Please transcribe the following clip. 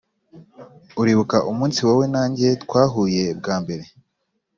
uribuka umunsi wowe na njye twahuye bwa mbere?